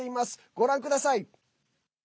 ご覧ください。